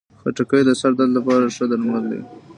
خټکی د سر درد لپاره ښه درمل دی.